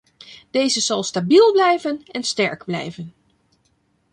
Deze zal stabiel blijven en sterk blijven.